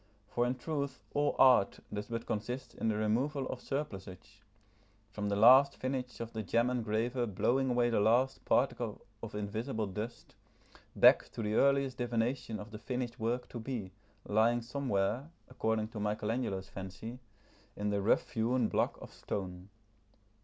For in truth all art does but consist in the removal of surplusage, from the last finish of the gem engraver blowing away the last particle of invisible dust, back to the earliest divination of the finished work to be, lying somewhere, according to Michelangelo's fancy, in the rough hewn block of stone.